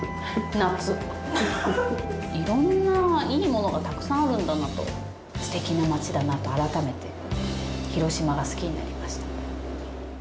いろんないいものがたくさんあるんだなと、すてきな町だなと改めて広島が好きになりました。